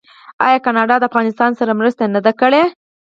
آیا کاناډا د افغانستان سره مرسته نه ده کړې؟